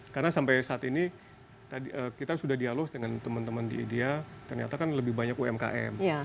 karena sampai saat ini kita sudah dialog dengan teman teman di edia ternyata kan lebih banyak umkm